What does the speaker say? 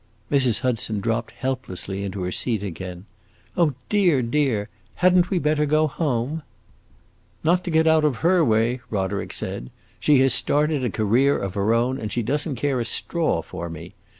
Mrs. Hudson dropped helplessly into her seat again. "Oh dear, dear, had n't we better go home?" "Not to get out of her way!" Roderick said. "She has started on a career of her own, and she does n't care a straw for me.